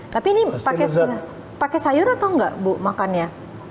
tapi ini pakai sayur atau enggak bu makannya